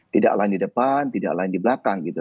tidak lain di depan tidak lain di belakang gitu